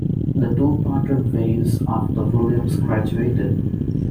The two parted ways after Williams graduated.